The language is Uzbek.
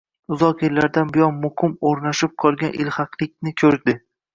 Uzoq yillardan buyon muqim oʻrnashib qolgan ilhaqlikni koʻrdi